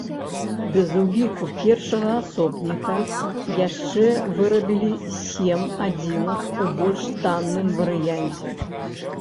Без уліку першага асобніка, яшчэ вырабілі сем адзінак у больш танным варыянце.